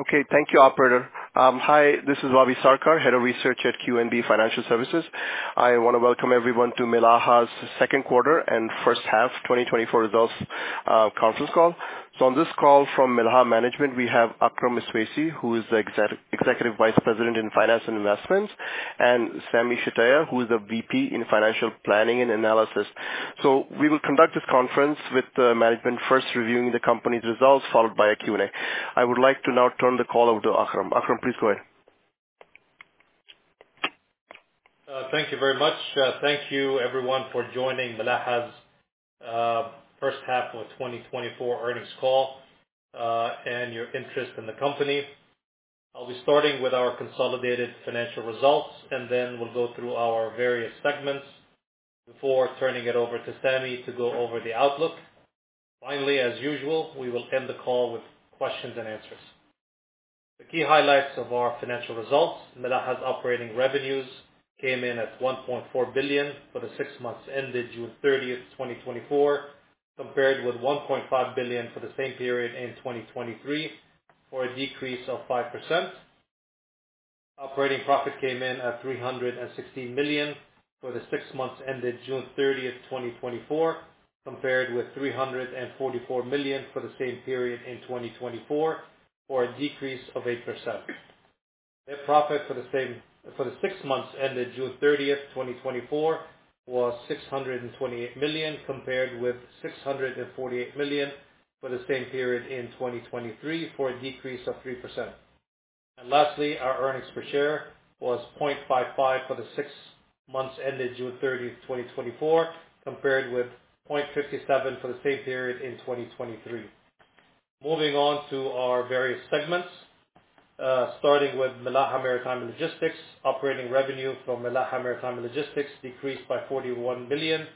Okay, thank you, operator. Hi, this is Bobby Sarkar, Head of Research at QNB Financial Services. I want to welcome everyone to Milaha's second quarter and first half 2024 results conference call. On this call from Milaha management, we have Akram Iswaisi, who is the Executive Vice President in Finance and Investments, and Sami Shtayyeh, who is a VP in Financial Planning and Analysis. We will conduct this conference with the management, first reviewing the company's results, followed by a Q&A. I would like to now turn the call over to Akram. Akram, please go ahead. Thank you very much. Thank you everyone for joining Milaha's first half of 2024 earnings call, and your interest in the company. I'll be starting with our consolidated financial results, and then we'll go through our various segments before turning it over to Sami to go over the outlook. Finally, as usual, we will end the call with questions and answers. The key highlights of our financial results: Milaha's operating revenues came in at 1.4 billion for the six months ended June 30, 2024, compared with 1.5 billion for the same period in 2023, for a decrease of 5%. Operating profit came in at 316 million for the six months ended June 30, 2024, compared with 344 million for the same period in 2024, for a decrease of 8%. Net profit for the same... for the six months ended June thirtieth, 2024, was 628 million, compared with 648 million for the same period in 2023, for a decrease of 3%. And lastly, our earnings per share was 0.55 for the six months ended June thirtieth, 2024, compared with 0.57 for the same period in 2023. Moving on to our various segments. Starting with Milaha Maritime and Logistics. Operating revenue from Milaha Maritime and Logistics decreased by 41 million,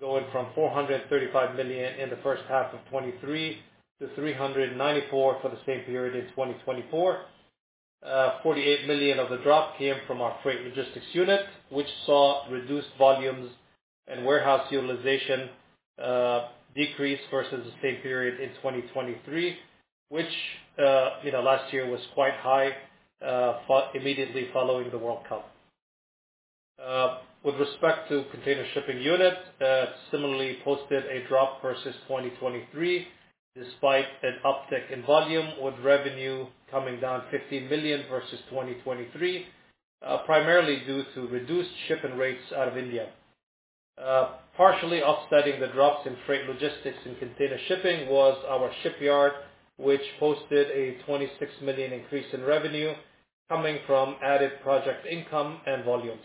going from 435 million in the first half of 2023 to 394 million for the same period in 2024. 48 million of the drop came from our Freight Logistics unit, which saw reduced volumes and warehouse utilization decrease versus the same period in 2023, which, you know, last year was quite high, immediately following the World Cup. With respect to Container Shipping unit, similarly posted a drop versus 2023, despite an uptick in volume, with revenue coming down 50 million versus 2023, primarily due to reduced shipping rates out of India. Partially offsetting the drops in Freight Logistics and Container Shipping was our Shipyard, which posted a 26 million increase in revenue coming from added project income and volumes.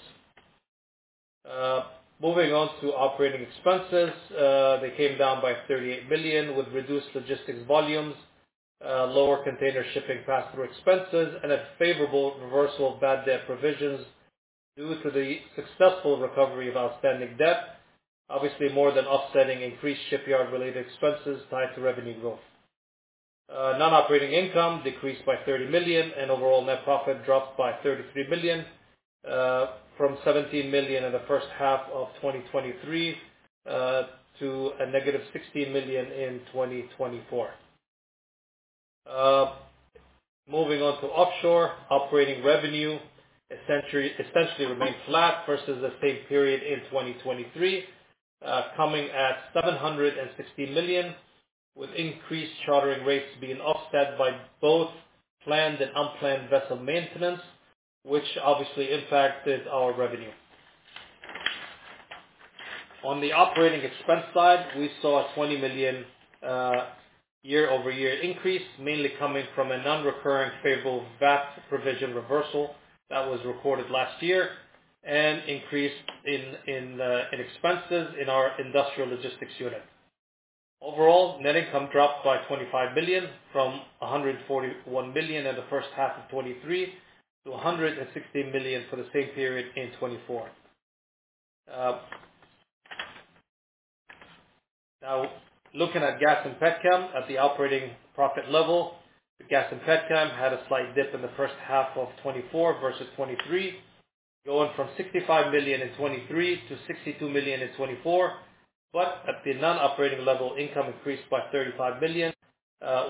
Moving on to operating expenses, they came down by 38 million, with reduced logistics volumes, lower container shipping pass-through expenses, and a favorable reversal of bad debt provisions due to the successful recovery of outstanding debt. Obviously, more than offsetting increased shipyard-related expenses tied to revenue growth. Non-operating income decreased by 30 million, and overall net profit dropped by 33 million, from 17 million in the first half of 2023, to -16 million in 2024. Moving on to offshore. Operating revenue essentially remained flat versus the same period in 2023, coming at 760 million, with increased chartering rates being offset by both planned and unplanned vessel maintenance, which obviously impacted our revenue. On the operating expense side, we saw a 20 million year-over-year increase, mainly coming from a non-recurring favorable VAT provision reversal that was recorded last year and increase in, in, in expenses in our industrial logistics unit. Overall, net income dropped by 25 million from 141 million in the first half of 2023 to 160 million for the same period in 2024. Now, looking at Gas and Petchem. At the operating profit level, the Gas and Petchem had a slight dip in the first half of 2024 versus 2023, going from 65 million in 2023 to 62 million in 2024. But at the non-operating level, income increased by 35 million,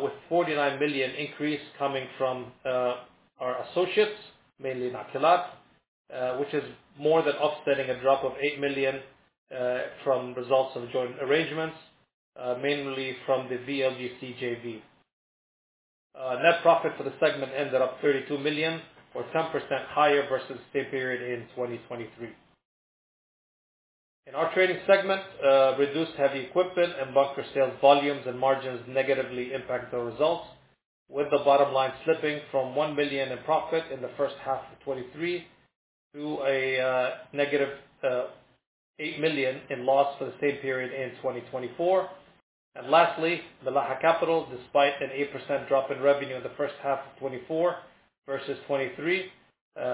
with 49 million increase coming from our associates, mainly Nakilat, which is more than offsetting a drop of 8 million from results of joint arrangements, mainly from the VLGC JV. Net profit for the segment ended up 32 million, or 10% higher versus the same period in 2023. In our trading segment, reduced heavy equipment and bunker sales volumes and margins negatively impacted the results, with the bottom line slipping from 1 million in profit in the first half of 2023 to a negative 8 million in loss for the same period in 2024. And lastly, Milaha Capital, despite an 8% drop in revenue in the first half of 2024 versus 2023,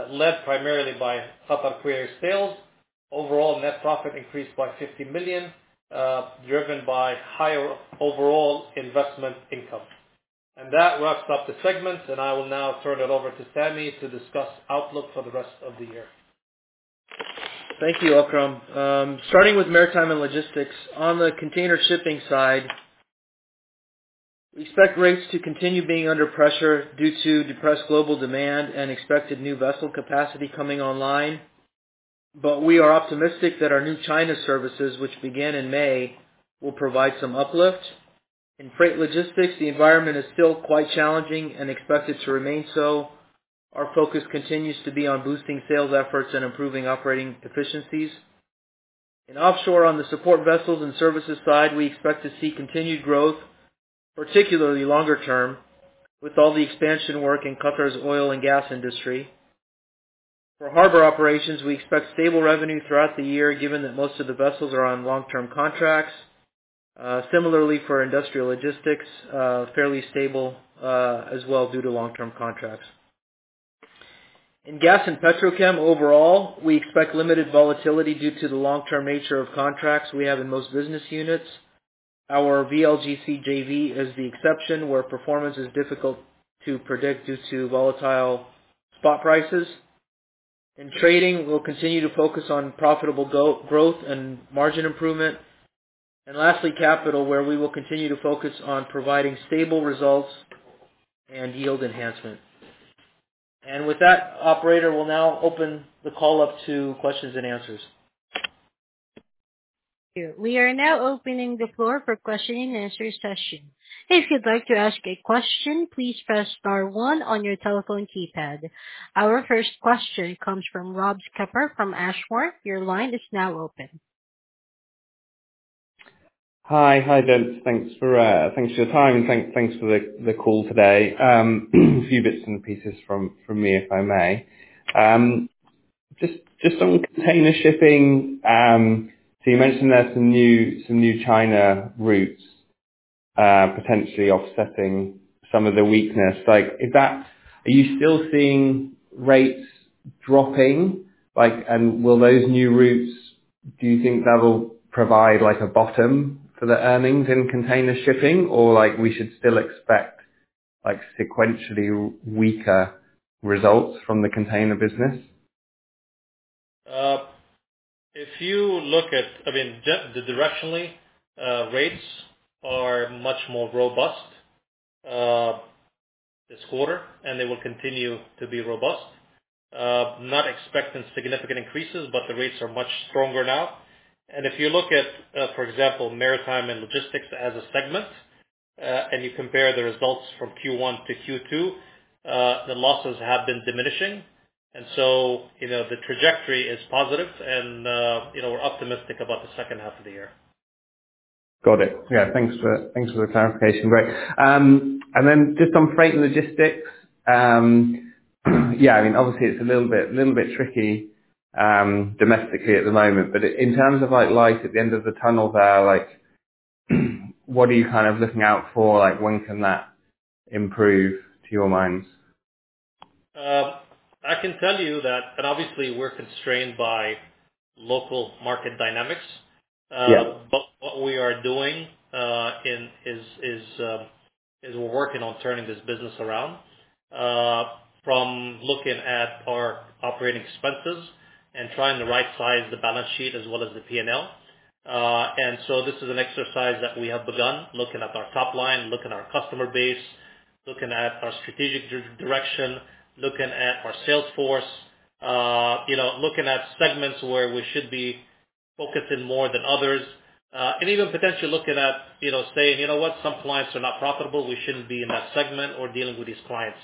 led primarily by Qatar Quarries sales. Overall, net profit increased by 50 million, driven by higher overall investment income. That wraps up the segments, and I will now turn it over to Sami to discuss outlook for the rest of the year. Thank you, Akram. Starting with maritime and logistics, on the container shipping side, we expect rates to continue being under pressure due to depressed global demand and expected new vessel capacity coming online. But we are optimistic that our new China services, which began in May, will provide some uplift. In freight logistics, the environment is still quite challenging and expected to remain so. Our focus continues to be on boosting sales efforts and improving operating efficiencies. In offshore, on the support vessels and services side, we expect to see continued growth, particularly longer term, with all the expansion work in Qatar's oil and gas industry. For harbor operations, we expect stable revenue throughout the year, given that most of the vessels are on long-term contracts. Similarly for industrial logistics, fairly stable as well, due to long-term contracts. In Gas and Petchem overall, we expect limited volatility due to the long-term nature of contracts we have in most business units. Our VLGC JV is the exception, where performance is difficult to predict due to volatile spot prices. In Trading, we'll continue to focus on profitable growth and margin improvement. And lastly, Capital, where we will continue to focus on providing stable results and yield enhancement. And with that, operator, we'll now open the call up to questions and answers. We are now opening the floor for questioning and answer session. If you'd like to ask a question, please press star one on your telephone keypad. Our first question comes from Rob Skipper from Ashmore. Your line is now open. Hi. Hi, guys. Thanks for your time, and thanks for the call today. A few bits and pieces from me, if I may. Just on container shipping, so you mentioned there are some new China routes, potentially offsetting some of the weakness. Like, is that... Are you still seeing rates dropping? Like, and will those new routes, do you think that will provide, like, a bottom for the earnings in container shipping? Or like, we should still expect, like, sequentially weaker results from the container business? If you look at, I mean, directionally, rates are much more robust this quarter, and they will continue to be robust. Not expecting significant increases, but the rates are much stronger now. And if you look at, for example, Maritime and Logistics as a segment, and you compare the results from Q1 to Q2, the losses have been diminishing. And so, you know, the trajectory is positive, and, you know, we're optimistic about the second half of the year. Got it. Yeah, thanks for, thanks for the clarification. Great. And then just on freight and logistics, yeah, I mean, obviously it's a little bit, little bit tricky domestically at the moment, but in terms of, like, light at the end of the tunnel there, like, what are you kind of looking out for? Like, when can that improve, to your mind? I can tell you that... Obviously, we're constrained by local market dynamics. Yeah. But what we are doing is we're working on turning this business around, from looking at our operating expenses and trying to right size the balance sheet as well as the P&L. And so this is an exercise that we have begun, looking at our top line, looking at our customer base, looking at our strategic direction, looking at our sales force, you know, looking at segments where we should be focusing more than others, and even potentially looking at, you know, saying, "You know what? Some clients are not profitable. We shouldn't be in that segment or dealing with these clients."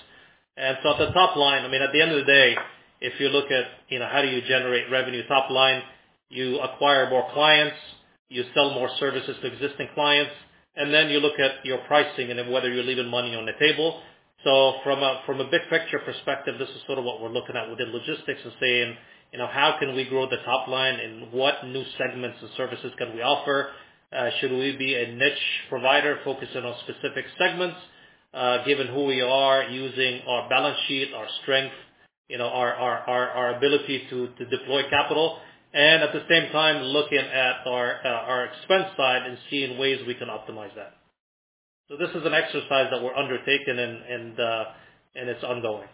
And so at the top line, I mean, at the end of the day, if you look at, you know, how do you generate revenue top line, you acquire more clients, you sell more services to existing clients, and then you look at your pricing and whether you're leaving money on the table. So from a, from a big-picture perspective, this is sort of what we're looking at within logistics and saying: You know, how can we grow the top line, and what new segments and services can we offer? Should we be a niche provider focusing on specific segments, given who we are, using our balance sheet, our strength, you know, our ability to deploy capital? And at the same time, looking at our expense side and seeing ways we can optimize that. So this is an exercise that we're undertaking, and it's ongoing.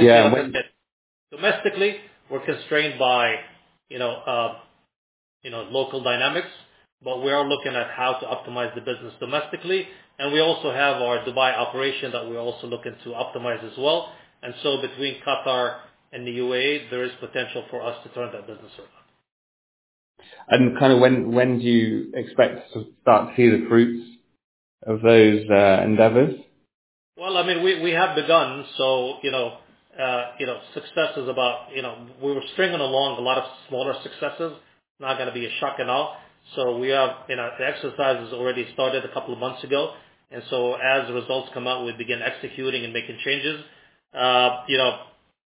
Yeah, and when- Domestically, we're constrained by, you know, you know, local dynamics, but we are looking at how to optimize the business domestically. And we also have our Dubai operation that we're also looking to optimize as well. And so between Qatar and the UAE, there is potential for us to turn that business around. Kind of, when do you expect to start to see the fruits of those endeavors? Well, I mean, we have begun, so you know, you know, success is about, you know... We were stringing along a lot of smaller successes, not gonna be a shock at all. So we have, you know, the exercise is already started a couple of months ago, and so as the results come out, we begin executing and making changes. You know,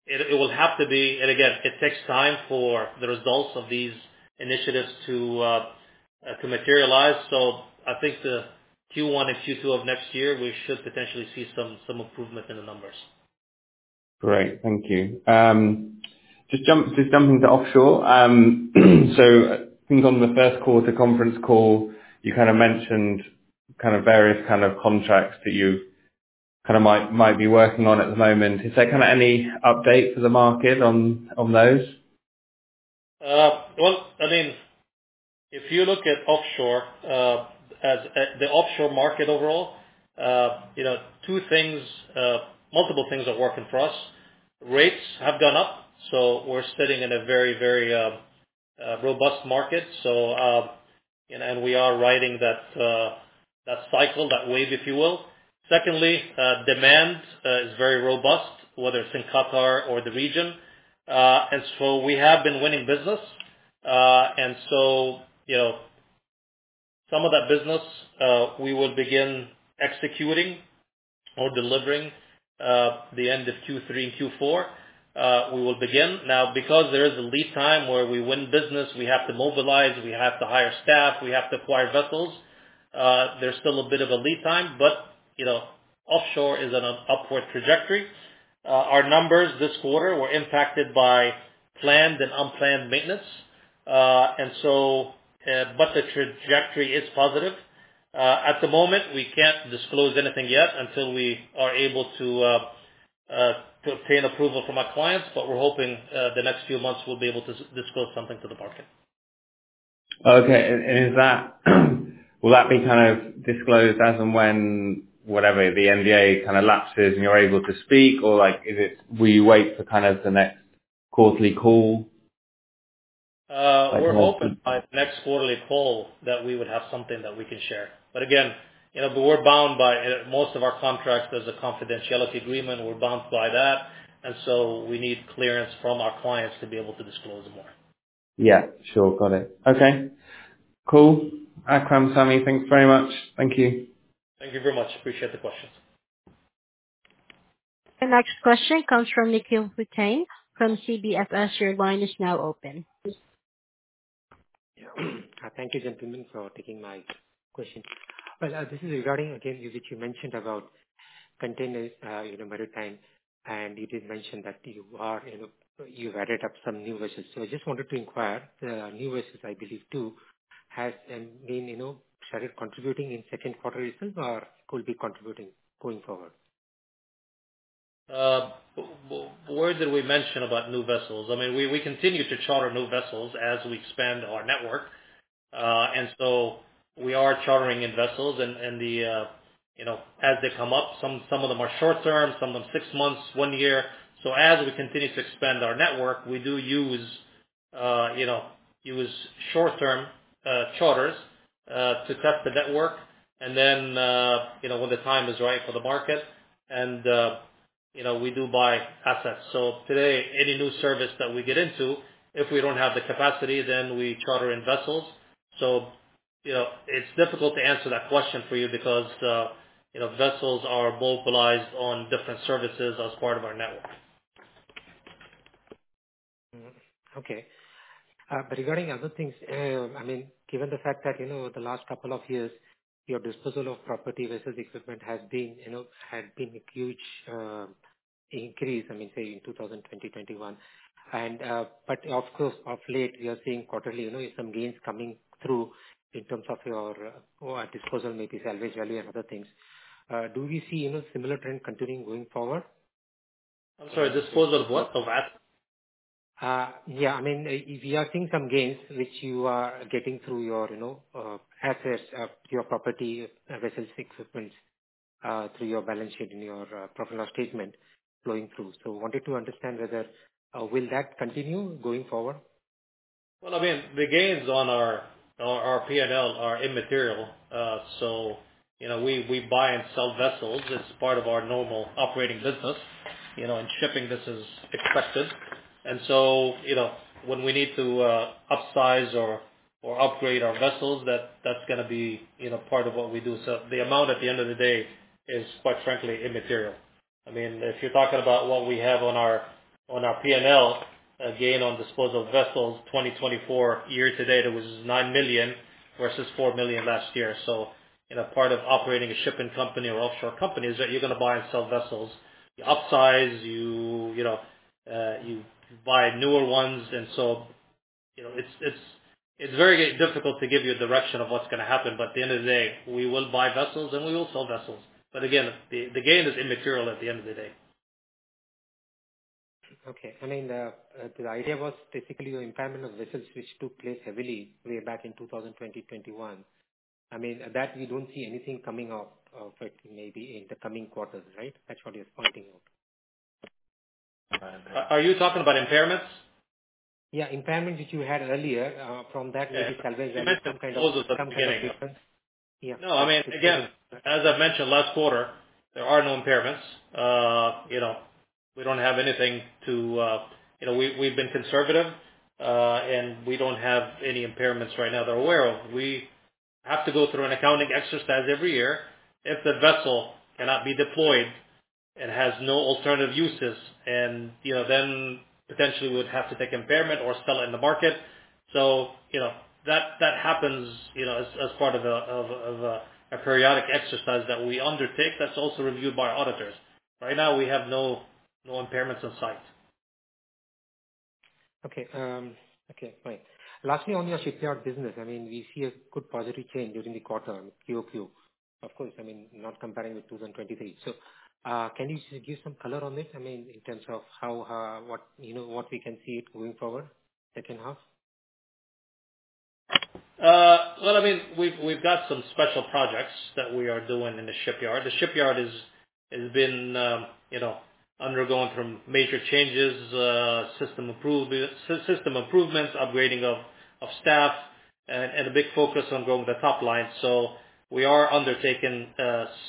it will have to be... And again, it takes time for the results of these initiatives to materialize. So I think the Q1 and Q2 of next year, we should potentially see some improvement in the numbers. Great. Thank you. Just jumping to offshore. So I think on the first quarter conference call, you kind of mentioned kind of various kind of contracts that you kind of might be working on at the moment. Is there kind of any update for the market on those? Well, I mean, if you look at offshore, as the offshore market overall, you know, two things, multiple things are working for us. Rates have gone up, so we're sitting in a very, very robust market. So, and we are riding that cycle, that wave, if you will. Secondly, demand is very robust, whether it's in Qatar or the region. And so we have been winning business. And so, you know, some of that business, we will begin executing or delivering, the end of Q3 and Q4, we will begin. Now, because there is a lead time where we win business, we have to mobilize, we have to hire staff, we have to acquire vessels, there's still a bit of a lead time, but, you know, Offshore is on an upward trajectory. Our numbers this quarter were impacted by planned and unplanned maintenance. And so, but the trajectory is positive. At the moment, we can't disclose anything yet until we are able to obtain approval from our clients, but we're hoping the next few months we'll be able to disclose something to the market. Okay. And will that be kind of disclosed as and when, whatever, the NDA kind of lapses and you're able to speak? Or, like, is it, we wait for kind of the next quarterly call? We're hoping by next quarterly call that we would have something that we can share. But again, you know, but we're bound by most of our contracts, there's a confidentiality agreement, we're bound by that, and so we need clearance from our clients to be able to disclose more. Yeah, sure. Got it. Okay, cool. Akram, Sami, thanks very much. Thank you. Thank you very much. Appreciate the questions. The next question comes from Nikhil Potdar from CBFS. Your line is now open. Thank you, gentlemen, for taking my question. This is regarding, again, which you mentioned about containers in the maritime, and you did mention that you are, you know, you've added up some new vessels. So I just wanted to inquire, the new vessels, I believe, two, has been, you know, started contributing in second quarter this year, or could be contributing going forward? Where did we mention about new vessels? I mean, we continue to charter new vessels as we expand our network. And so we are chartering in vessels and the, you know, as they come up, some of them are short term, some of them six months, one year. So as we continue to expand our network, we do use, you know, use short-term charters to test the network. And then, you know, when the time is right for the market and, you know, we do buy assets. So today, any new service that we get into, if we don't have the capacity, then we charter in vessels. So, you know, it's difficult to answer that question for you because, you know, vessels are mobilized on different services as part of our network. Mm-hmm. Okay. Regarding other things, I mean, given the fact that, you know, over the last couple of years, your disposal of property versus equipment has been, you know, had been a huge increase, I mean, say, in 2020, 2021, and, but of course, of late, we are seeing quarterly, you know, some gains coming through in terms of your, your disposal, maybe salvage value and other things. Do we see, you know, similar trend continuing going forward? I'm sorry, disposal what? Of assets? Yeah. I mean, we are seeing some gains which you are getting through your, you know, assets, your property, vessels, equipment, through your balance sheet and your profit and loss statement flowing through. So wanted to understand whether will that continue going forward? Well, I mean, the gains on our, on our P&L are immaterial. So, you know, we, we buy and sell vessels as part of our normal operating business, you know, and shipping, this is expected. And so, you know, when we need to, upsize or, or upgrade our vessels, that, that's gonna be, you know, part of what we do. So the amount at the end of the day is quite frankly, immaterial. I mean, if you're talking about what we have on our, on our P&L, a gain on disposal of vessels, 2024 year to date, it was 9 million versus 4 million last year. So, you know, part of operating a shipping company or offshore company is that you're gonna buy and sell vessels. You upsize, you know, you buy newer ones, and so, you know, it's very difficult to give you a direction of what's gonna happen, but at the end of the day, we will buy vessels and we will sell vessels. But again, the gain is immaterial at the end of the day. Okay. I mean, the idea was basically your impairment of vessels which took place heavily way back in 2020, 2021. I mean, that we don't see anything coming out of it, maybe in the coming quarters, right? That's what you're pointing out. Are you talking about impairments? Yeah, impairments which you had earlier, from that maybe salvage- You mentioned those at the beginning. Yeah. No, I mean, again, as I've mentioned last quarter, there are no impairments. You know, we don't have anything to. You know, we've been conservative, and we don't have any impairments right now that we're aware of. We have to go through an accounting exercise every year. If the vessel cannot be deployed and has no alternative uses, and, you know, then potentially we'd have to take impairment or sell it in the market. So, you know, that happens, you know, as part of a periodic exercise that we undertake, that's also reviewed by our auditors. Right now, we have no impairments in sight.... Okay, okay, fine. Lastly, on your shipyard business, I mean, we see a good positive change during the quarter on QOQ. Of course, I mean, not comparing with 2023. So, can you just give some color on this? I mean, in terms of how, what, you know, what we can see it going forward, second half? Well, I mean, we've got some special projects that we are doing in the shipyard. The shipyard is, has been, you know, undergoing from major changes, system improvements, upgrading of staff, and a big focus on growing the top line. So we are undertaking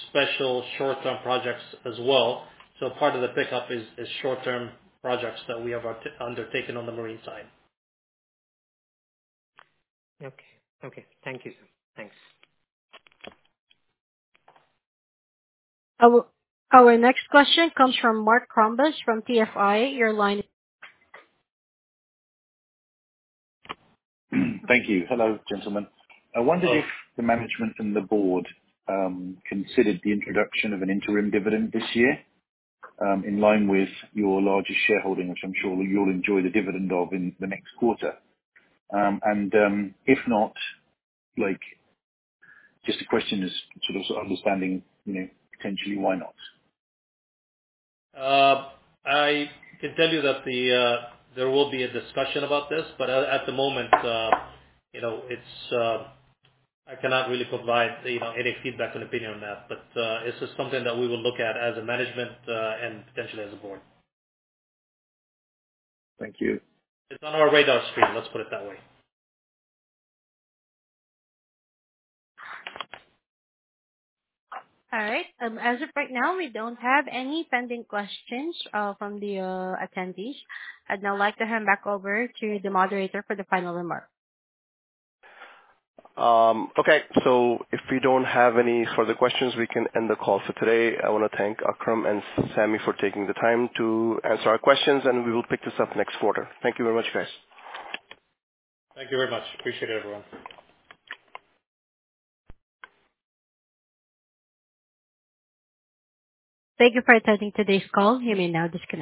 special short-term projects as well. So part of the pickup is short-term projects that we have undertaken on the marine side. Okay. Okay. Thank you, sir. Thanks. Our next question comes from Mark Krombas from Qatar Insurance Company. Your line is- Thank you. Hello, gentlemen. Hello. I wondered if the management and the board considered the introduction of an interim dividend this year, in line with your largest shareholding, which I'm sure you'll enjoy the dividend of in the next quarter. And, if not, like, just a question as to also understanding, you know, potentially why not? I can tell you that there will be a discussion about this, but at the moment, you know, it's, I cannot really provide, you know, any feedback or opinion on that. But this is something that we will look at as a management and potentially as a board. Thank you. It's on our radar screen, let's put it that way. All right. As of right now, we don't have any pending questions from the attendees. I'd now like to hand back over to the moderator for the final remarks. Okay. So if we don't have any further questions, we can end the call for today. I want to thank Akram and Sami for taking the time to answer our questions, and we will pick this up next quarter. Thank you very much, guys. Thank you very much. Appreciate it, everyone. Thank you for attending today's call. You may now disconnect.